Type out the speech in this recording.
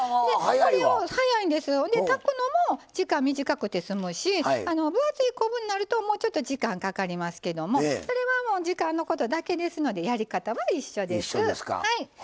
これを炊くのも時間短くて済むし、分厚い昆布になるともうちょっと時間かかりますけどそれは時間のことだけなのでやり方は一緒です。